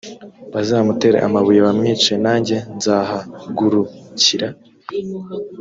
bazamutere amabuye bamwice nanjye nzahagurukira